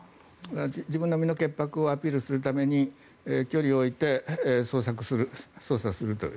自分の身の潔白をアピールするために距離を置いて捜査するという。